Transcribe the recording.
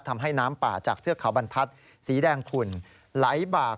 ทำให้น้ำป่าจากเทือกเขาบรรทัศน์สีแดงขุ่นไหลบาก